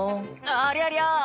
ありゃりゃ！